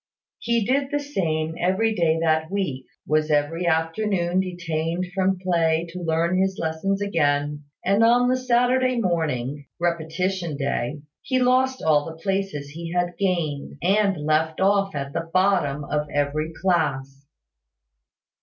He did the same every day that week; was every afternoon detained from play to learn his lessons again; and on the Saturday morning (repetition day) he lost all the places he had gained, and left off at the bottom of every class.